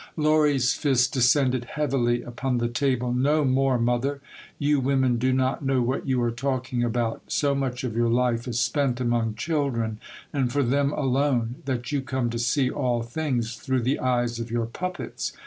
Lory's fist descended heavily upon the table. " No more, mother ! You women do not know what you are talking about. So much of your life is spent among children, and for them alone, that you come to see all things through the eyes of your puppets.